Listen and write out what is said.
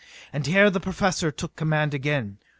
And here the Professor took command again.